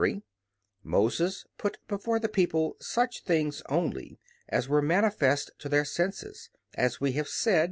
3: Moses put before the people such things only as were manifest to their senses, as we have said (Q.